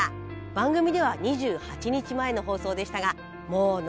番組では２８日前の放送でしたがもう残り１日。